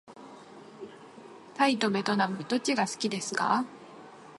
タイとべトナムどっちが好きですか。